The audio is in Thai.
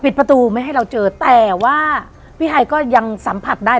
ประตูไม่ให้เราเจอแต่ว่าพี่ไฮก็ยังสัมผัสได้